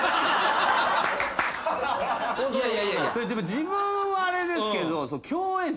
自分はあれですけど。